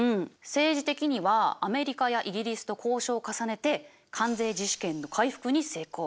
政治的にはアメリカやイギリスと交渉を重ねて関税自主権の回復に成功。